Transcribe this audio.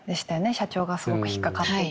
社長がすごく引っ掛かっていたのは。